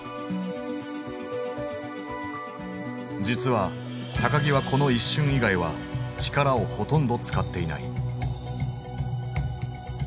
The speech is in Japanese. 実は木はこの一瞬以外は力をほとんど使っていない。